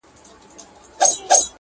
چي تندي كي دي سجدې ورته ساتلې!.